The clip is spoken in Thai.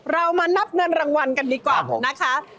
เรามานับเงินรางวัลกันดีกว่านะคะ